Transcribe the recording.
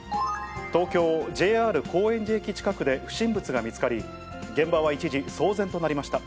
東京、ＪＲ高円寺駅近くで不審物が見つかり、現場は一時騒然となりました。